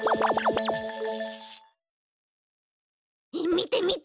みてみて！